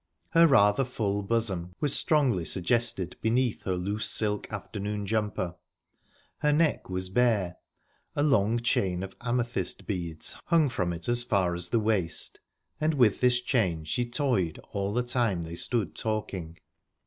Her rather full bosom was strongly suggested beneath her loose silk afternoon jumper. Her neck was bare. A long chain of amethyst beads hung from it as far as the waist, and with this chain she toyed all the time they stood talking.